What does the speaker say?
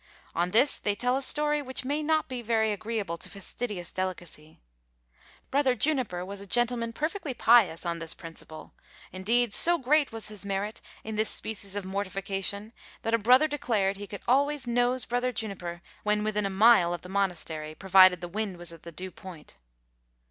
On this they tell a story which may not be very agreeable to fastidious delicacy. Brother Juniper was a gentleman perfectly pious, on this principle; indeed so great was his merit in this species of mortification, that a brother declared he could always nose Brother Juniper when within a mile of the monastery, provided the wind was at the due point.